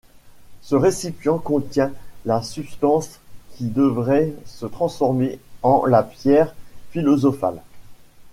Ce récipient contient la substance qui devrait se transformer en la pierre philosophale.